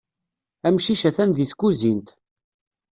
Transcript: Amcic atan di tkuzint.